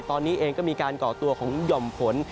ตอนนี้เองก็มีการก่อตัวของหย่อมฝน